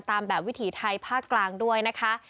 ตามแบบวิถีไทยภาคกลางด้วยนะคะ